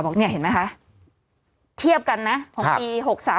บอกนี่เห็นไหมคะเทียบกันนะปี๖๓๖๔